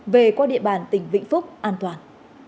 về qua địa bàn tỉnh vĩnh phúc an toàn